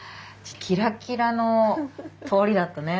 キラキラの通りだったね。